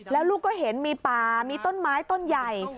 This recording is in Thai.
แล้วลูกก็เห็นมีป่ามีต้นไม้ต้นใหญ่